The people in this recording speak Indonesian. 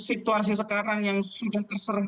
situasi sekarang yang sudah terserah